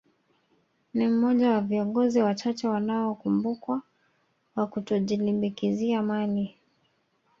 Ni mmoja wa viongozi wachache wanaokumbukwa kwa kutojilimbikizia mali